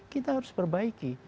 kita harus perbaiki